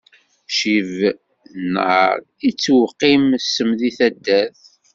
Ccib nnaṛ, ittewqim ssem di taddart.